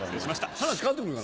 話変わってくるがな。